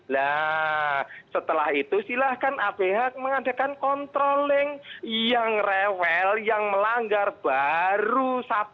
lah setelah itu silahkan aph mengadakan kontroling yang rewel yang melanggar baru sabtu